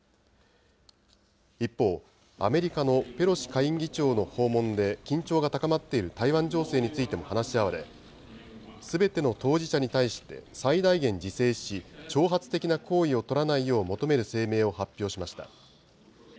一方、アメリカのペロシ下院議長の訪問で緊張が高まっている台湾情勢についても話し合われ、すべての当事者に対して、最大限自制し、挑発的な行為を取らないよう求める声明を発表しました。